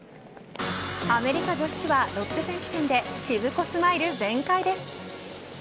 アメリカ女子ツアーロッテ選手権でしぶこスマイル全開です。